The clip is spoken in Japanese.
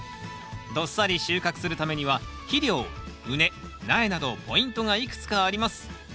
どっさり収穫するためには肥料畝苗などポイントがいくつかあります。